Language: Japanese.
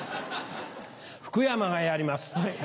福山がやります。